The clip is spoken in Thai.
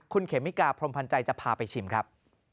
คุณเขมิกาพรมพันธ์ใจจะพาไปชิมครับ